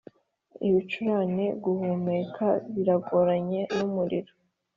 ibicurane, guhumeka bigoranye n’umuriro.